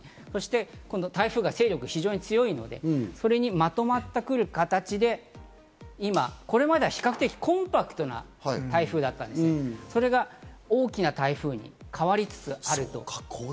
この台風が勢力が強いのでまとまってくる形で、これまでは比較的コンパクトな台風だったんですけど、それが大きな台風に変わりつつある。